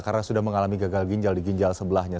karena sudah mengalami gagal ginjal di ginjal sebelahnya